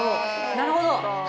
なるほど！